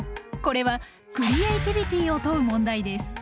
これはクリエイティビティを問う問題です。